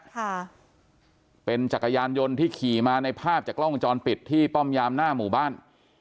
ค่ะเป็นจักรยานยนต์ที่ขี่มาในภาพจากกล้องวงจรปิดที่ป้อมยามหน้าหมู่บ้าน